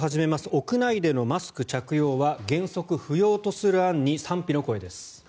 屋内でのマスク着用は原則不要とする案に賛否の声です。